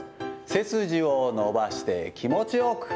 背筋を伸ばして気持ちよく。